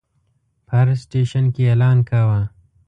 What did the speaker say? په هر سټیشن کې یې اعلان کاوه.